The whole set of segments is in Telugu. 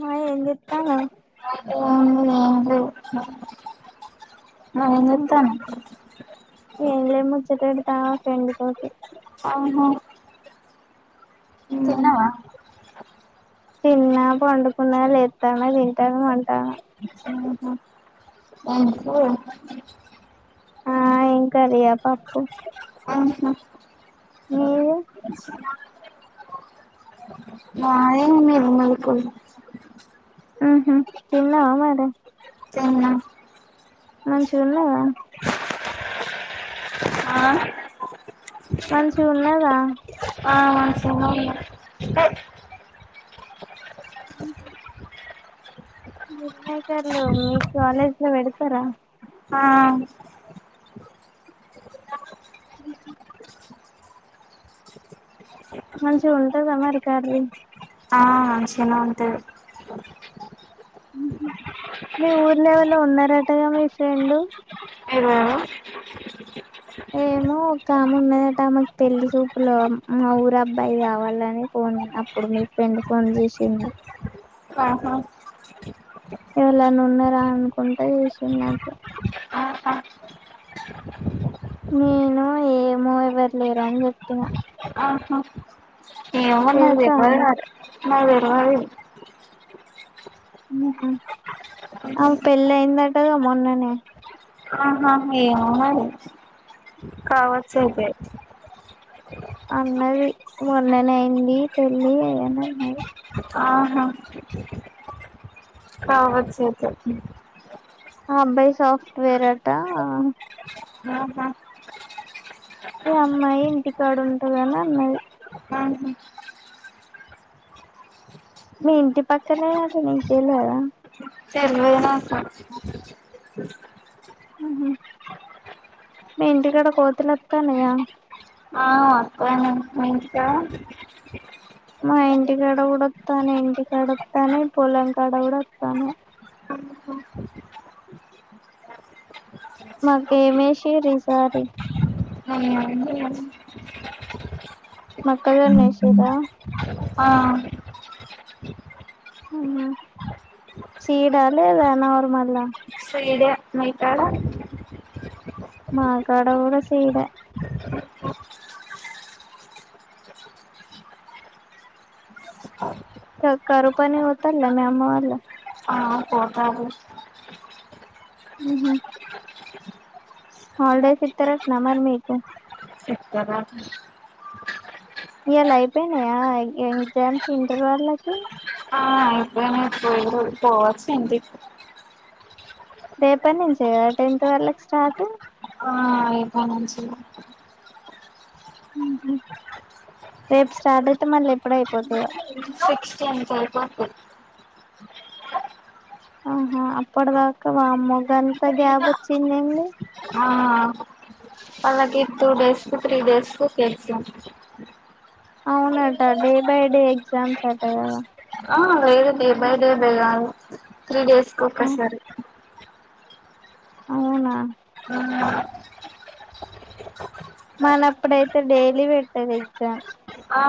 ఆ ఏం చెప్తానవ్ ఏం లేదండి నువ్వు ఏం చేతనవ్ తా ఫ్రెండ్ తోటి ఆహ తిన్నవా? తిన్న పండకున్న లేతన తింటన పంటన ఉహ్ ఉమ్ ఏం కూర్ ఆ ఉంటది అట్ అట్ ఆహ మీది మ [unintelligible] [unintelligible] హ్మ్ హు తిన్నావా మరి తిన్న మంచిగున్నావా ఆ మంచి ఉన్నదా ఆ సోమ నిన్న కు మిల్‌మేకర్లు మీ కాలేజ్ లో పెడతారా? ఆ ఉహ్ ఉమ్ మంచిగా ఉంటదా మరి కరి? ఆ మంచినే ఉంటది ఉహ్ ఉమ్ మీ ఊర్లో ఆవాల్లో ఉన్నారటగా మీ ఫ్రెండు ఎవరు ఏమో ఒక ఆమె ఉన్నదట ఆమెకు పెళ్లి చూపులో మా ఊరు అబ్బాయి కావాలని ఫోన్ అప్పుడు మీ ఫ్రెండ్ ఫోన్ చేసింది ఆహా ఎవర్లన ఉన్నారా అనుకుంటే ఈ విషయం నాకు ఆహా నేను ఏమో ఎవరు లేరు అని చెప్పిన ఏం ఉన్నాది తెలుసా ఎవరా నాకు తెలవది హ్మ్ హు ఆమే పెళ్ళి అయిందటగా మొన్ననే ఆహా ఏమో మరి కావచ్చు అయితే అన్నది మొన్ననే అయింది పెళ్లి అని అన్నది ఆహా కావచ్చు అయితే అబ్బాయి సాఫ్ట్వేర్ అట ఆహా ఈ అమ్మాయి ఇంటి కాడు ఉంటదు అని అన్నది ఆహా మీ ఇంటి పక్కనే పక్కనే కదా నీకు తెలవదా తెల్వదు నాకు హ్మ్ హు మీ ఇంటికాడ కోతులు వత్తాన్నాయా ఇంకా మా ఇంటికాడ కూడా వత్తానయ్ ఇంటికాడ వత్తానయ్ పొలం కాడ కూడా వత్తానయ్ మాకి ఏం ఎసిరు ఈసారి మొక్క జొన్న ఎసిరా ఆ హ్మ్ సిడా లేదా నార్మల్ సిడే మీ కాడా మకాడ కూడా సిడే చె కరువు పని పోతలే మీ అమ్మ వాళ్ళు పొతాల్లు హ్మ్ హు హాలిడేస్ ఇత్తరట్నా మరి మీకు ఇక్కర్ర ఇయ్యాల్ల అయిపేనయా యంగ్ ఎగ్జామ్స్ ఇంటర్ వాళ్ళకి ఆ ఇప్పుడే మేం పోయి పో పోవాచ్చ ఇంటికి రేపటి నుంచే కదా టెన్త్ వాళ్ళకి స్టార్ట్ ఆ ఇప్పనుంచి హ్మ్మ్ రేపు స్టార్ట్ అయితే మళ్ళీ ఎప్పుడు అయిపోతయో సిక్స్టీన్ కి అయిపోతాయి ఆహా అప్పటిదాకా వామ్మో గంత గ్యాబ్ వచ్చిదెంది ఆ అలాగె టూ డేస్ ఇప్పుడు త్రీ డేస్ కు కేసు అవునట డే బై డే ఎగ్జామ్స్ అట కదా ఆ లేేదు డె బై డె బెయాలా త్రీ డేస్ కి ఒకసారి అవునా మనప్పుడయితే డైలీ పెటేదే ఎగ్జామ్ ఆ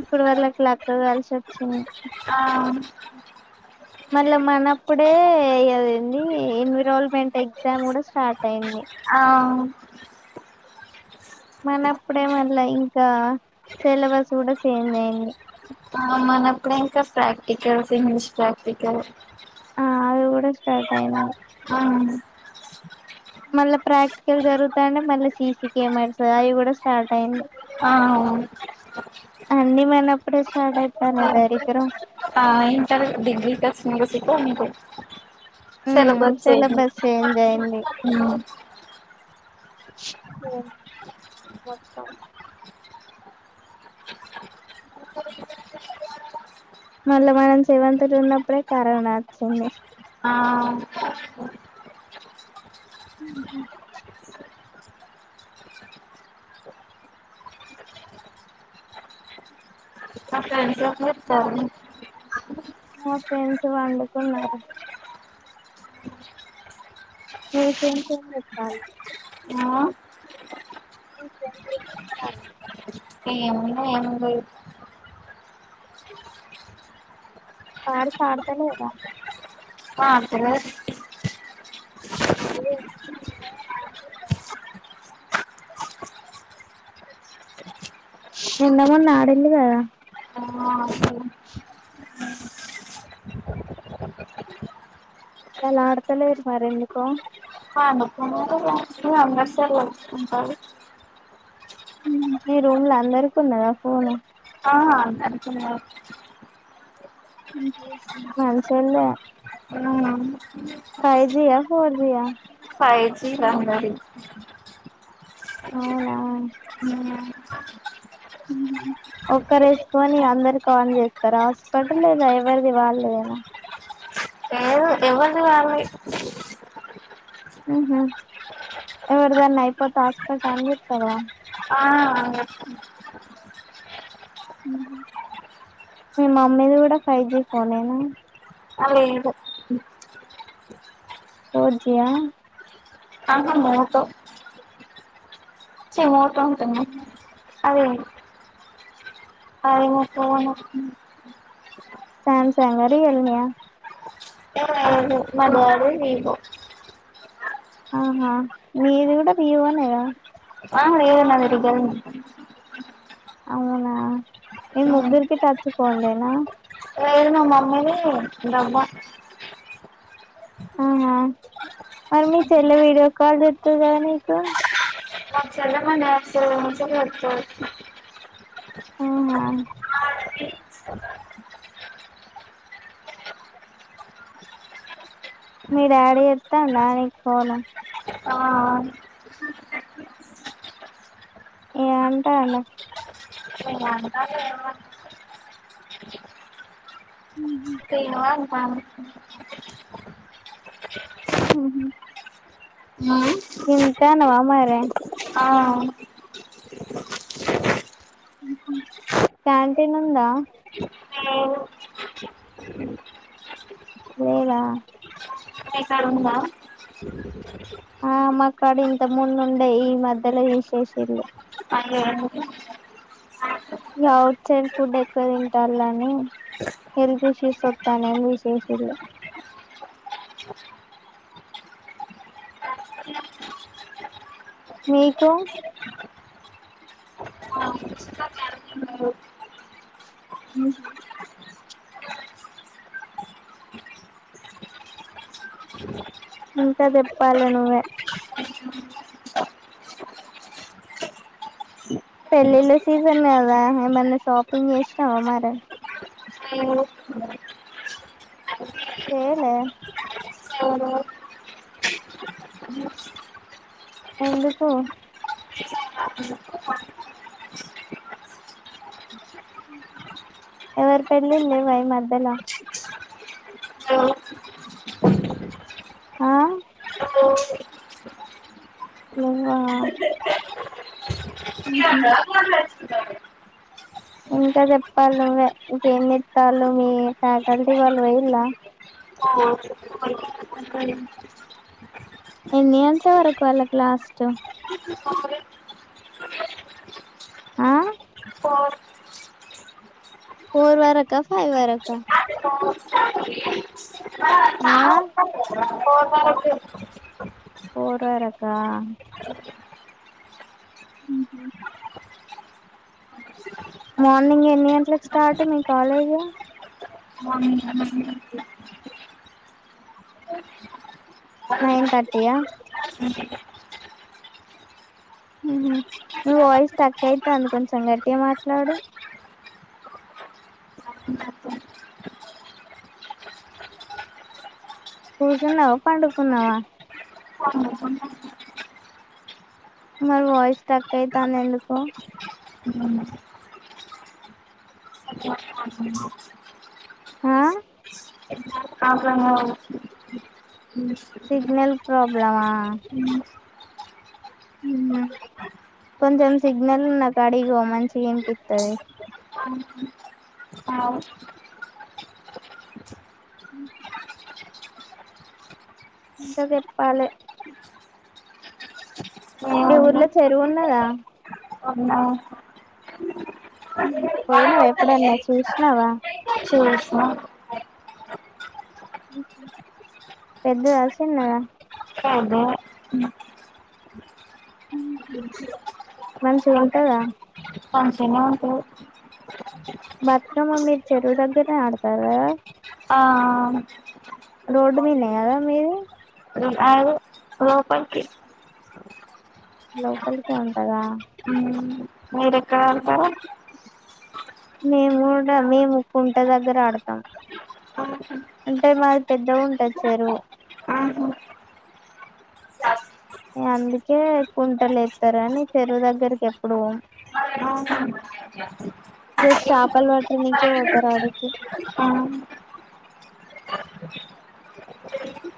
ఇప్పుడు వాళ్ళకు లక్ కాల్సి వచ్చింది ఆ ఆ మళ్ళ మనప్పుడే అది ఏంది ఎన్విరోల్మెంట్ ఎగ్జామ్ కూడా స్టార్ట్ అయింది అ మనప్పుడె మళ్ళా ఇంకా సెలబస్ కూడా చేంజ్ అయింది మనప్పుడే ఇంకా ప్రాక్టికల్స్ ఇంగ్లీష్ ప్రాక్టికల్ అది కూడా స్టార్ట్ అయింది ఆ మళ్ళా ప్రాక్టికల్ జరుగుతాయి అంటే మళ్ళీ సీ సీ కెమెరాస్ అవి కూడా స్టార్ట్ అయింది అ అవును అన్ని మనప్పుడె స్టార్ట్ అయితన్నై దరిద్రం ఆ ఇంటర్ డిగ్రీ ప్లస్ మ్యూజిక్ మీకు um syllabus change syllabus change అయింది హ్మ్మ్ ఎందే వస్తాం మళ్ళ మనం సెవెంత్ ల ఉన్నప్పుడె కరోనా అచ్చింది ఆ హ్మ్మ్ ఎగ్జామ్స్ కి అత్తవ మా ఫ్రెండ్స్ వండుకున్నారు ట్యూషన్ కి ఏం చెప్పాలి ఆ ని ఫ్రెండ్స్ ఏం చేస్తా అన్నారు ఏం ఉన్నది ఏం లేదు పారు పాడుతలేదా ఆ తెల్వది నిన్న మొన్న ఆడిల్లు కదా ఆ అసలు [inaudible] వాళ్ళు అడుతలేరు మరి ఎందుకో పండుకున్నారు ఉన్నరు ఇగ అందరు సైలెంట్ గా ఉంటారు హ్మ్మ్ మీ రూమ్ లో అందరికున్నదా ఫోన్ ఆ [unintelligible] హ్మ్మ్ మంచోల్లే ఆ అవును మీ ఫైవ్ జియా ఫోర్జియా ఫైవ్ జీ [unintelligible] అవునా ఉమ్ మ్మ్ ఒక్కరు వేసుకొని అందరికి ఆన్ చేత్తరా హాస్పాట్ లేదా ఎవరిది వాళ్ళదేనా, లేదు ఎవరిది వాళ్ళది ఆహ ఎవర్దన్నా ఐపోతే హాస్పాట్ ఆన్ జేత్తవా ఆ ఆన్ జేత్తం హ్మ్మ్ మీ మమ్మీది కూడా ఫైవ్ జి ఫోన్ ఏనా అదేదో ఫోర్జీయా ఆహా మాతో చిన్నోట ఉంటున్నా అదే ఐనాతో [unintelligible] సామ్సంగా రియల్మీ ఆ ఏ [unintelligible] మా డాడీ నేను ఆహా మీది కూడా వివోనే గా ఆ ఏ మా దగ్గర ఇద్దరే ఉన్నారు అవునా ఏ ముగ్గురికి టచ్ ఫోన్లేనా లేదు మా మమ్మీది డబ్బా ఆహా మరి మీ చెల్లె వీడియో కాల్ చేత్తది గా నీకు మా చల్ల మా డాడీ ఫోన్ తో చేత్తది ఆహా మీ డాడీ చేతండ నీకు ఫోను ఆ ఏయ్ అంటాన అంటాఏనవా తేను అంటా ఉహు మ్మ్ తింటానవా మారే ఆ మ్మ్ హ్మ్ క్యాంటీన్ ఉందా లేదు లేదా కేసరుందా ఆ మ కడి ఇంత ముందుండే ఈ మధ్యలో తీసేషిల్లు ఆయేముటి వీళ్ ఔట్ సైడ్ ఫుడ్ ఎక్కువ తింటాల్లని హెల్త్ ఇష్యూస్ వత్తాయ్నని తీశేషిల్లు. మీకు మ్మ్ హ ఇంకా చెప్పాలి నువ్వే పెళ్ళిళ్ళ సీజన్ కదా ఏమన్నా షాపింగ్ చేసినావా మరి లేదు చేయలే లేదు ఎందుకో చూసిన మ్మ్ హ్మ్ ఎవరు పెళ్ళిల్లేవా ఈ మధ్యలో ఆ లేంగా [unintelligible] ఇంక ఇంకా చెప్పాలి నువ్వే ఇంకేం చేత్తా ల్లు మీ ఫ్యాకల్టీ వాళ్ళు వోయిల్లా ఎన్ని యేంత వరకు వాళ్ళకు లాస్ట్ ఆ ఫోర్ వరకా ఫైవ్ వరకా ఆ ఓ పోర్వరకా మ్మ్ హుం మార్నింగ్ ఎన్ని గంటలకు స్టార్ట్ మీ కాలేజ్ నైన్ థర్టీయా మ్మ్ హ్మ్ నీ వాయిస్ స్టక్ అయితాంది కొంచెం గట్టిగా మాట్లాడు కూసున్నావా పండుకున్నావా మరి వాయిస్ స్టక్ అయితాంది ఎందుకు ఆ ప్రాబ్లము సిగ్నల్ ప్రాబ్లమా వున్నా కొంచెం సిగ్నల్ ఉన్నకాడిగివో మంచిగా ఇనిపిత్తది మ్ ఇంకా చెప్పాలె మీ ఊర్లో చెరువు ఉన్నదా మ్మ్ హ్ పోయినావా ఎప్పుడన్నా చూసినావా చూస్తా పెద్దదా చిన్నదా మంచిగ అదే ఉంటదా మంచిగనే ఉంటది బతుకమ్మ మీరు చెరువు దగ్గరనే ఆడుతారు కదా ఆ రోడ్డు మిన్నే కదా మీది కాదు లోపటికి లోౌపలికే ఉంటదా మీరెక్కడ ఆడుతారు మేము కూడా మేము కుంట దగ్గర ఆడతాం అంటే మాది పెద్దగుంటది చెరువు ఆహా ఇగ అందుకే కుంటలేతరని అని చెరువు దగ్గరికి ఎప్పుడు పోము జస్ట్ చాపలు పట్టనికే పోతారు ఆడికి ఆహా